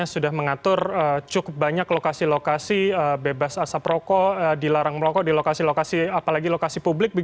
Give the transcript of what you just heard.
sudah mengatur cukup banyak lokasi lokasi bebas asap rokok dilarang merokok di lokasi lokasi apalagi lokasi publik